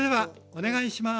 お願いします！